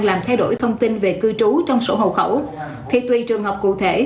làm thay đổi thông tin về cư trú trong sổ hậu khẩu thì tùy trường hợp cụ thể